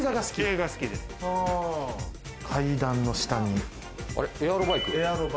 階段の下にエアロバイク。